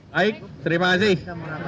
baik terima kasih